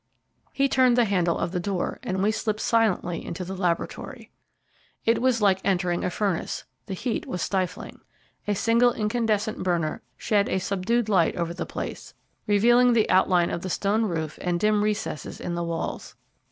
He turned the handle of the door, and we slipped silently into the laboratory. It was like entering a furnace, the heat was stifling. A single incandescent burner shed a subdued light over the place, revealing the outline of the stone roof and dim recesses in the walls.